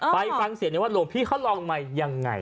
ไปฟังเสียงในวันโรงพี่เขาลองใหม่ยังไง